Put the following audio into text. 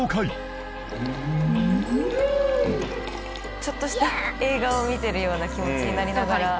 ちょっとした映画を見てるような気持ちになりながら。